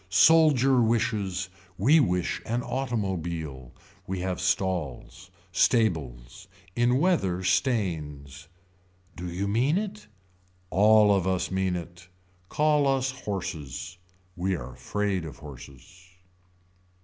Soldier wishes. We wish an automobile. We have stalls. Stables. In weather stains. Do you mean it. All of us mean it. Call us horses. We are afraid of horses.